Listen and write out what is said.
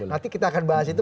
nanti kita akan bahas itu